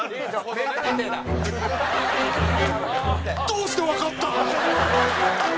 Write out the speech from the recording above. どうしてわかった？